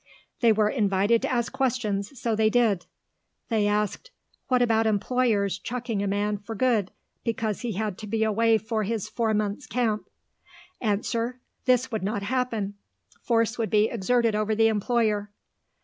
They were invited to ask questions, so they did. They asked, What about employers chucking a man for good because he had to be away for his four months camp? Answer: This would not happen; force would be exerted over the employer.